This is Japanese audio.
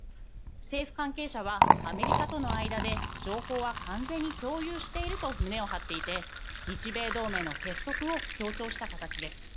政府関係者はアメリカとの間で情報は完全に共有していると胸を張っていて日米同盟の結束を強調した形です。